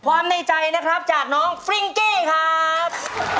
ในใจนะครับจากน้องฟริ้งกี้ครับ